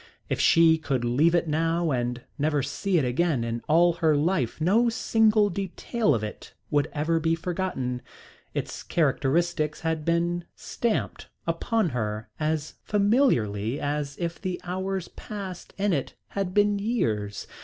If she could leave it now and never see it again in all her life no single detail of it would ever be forgotten. Its characteristics had been stamped upon her as familiarly as if the hours passed in it had been years.